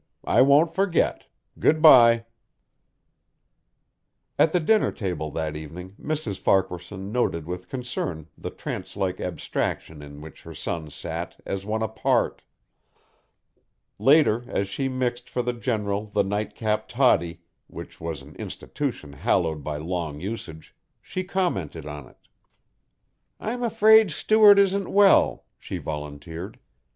"I won't forget. Good by." At the dinner table that evening Mrs. Farquaharson noted with concern the trance like abstraction in which her son sat, as one apart. Later as she mixed for the General the night cap toddy, which was an institution hallowed by long usage, she commented on it. "I'm afraid Stuart isn't well," she volunteered.